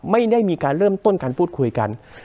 ไม่ได้มีการเริ่มต้นการพูดคุยกัน